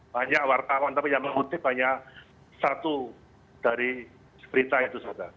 banyak wartawan tapi yang mengutip hanya satu dari berita itu saja